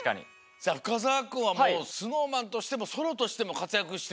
じゃあ深澤くんはＳｎｏｗＭａｎとしてもソロとしてもかつやくして。